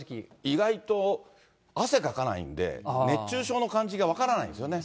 意外と、汗かかないんで、熱中症の感じが分からないんですよね。